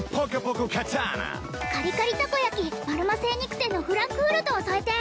カリカリたこ焼きマルマ精肉店のフランクフルトを添えて！